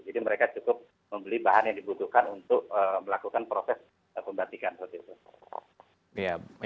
jadi mereka cukup membeli bahan yang dibutuhkan untuk melakukan proses pembatikan